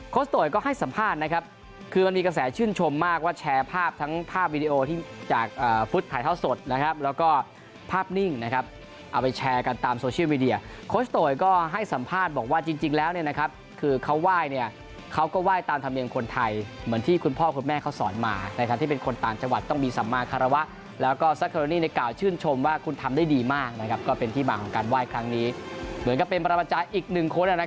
โค้ชโตยก็ให้สัมภาษณ์นะครับคือมันมีกระแสชื่นชมมากว่าแชร์ภาพทั้งภาพวิดีโอที่จากฟุตถ่ายเท่าสดนะครับแล้วก็ภาพนิ่งนะครับเอาไปแชร์กันตามโซเชียลวีเดียโค้ชโตยก็ให้สัมภาษณ์บอกว่าจริงจริงแล้วเนี่ยนะครับคือเขาไหว้เนี่ยเขาก็ไหว้ตามธรรมเองคนไทยเหมือนที่คุณพ่อคุ